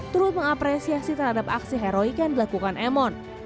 turut mengapresiasi terhadap aksi heroik yang dilakukan emon